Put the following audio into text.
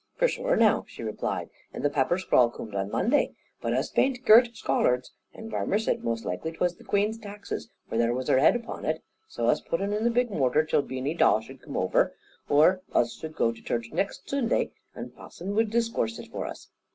"For sure now," she replied, "and the papper scrawl coom'd on Monday; but us bain't girt scholards, and Varmer said most like 'twas the Queen's taxes, for there was her head upon it; so us put un in the big mortar till Beany Dawe should come over, or us should go to church next Zunday, and passon would discoorse it for us.